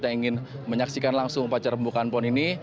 yang ingin menyaksikan langsung upacara pembukaan pon ini